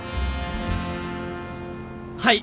はい！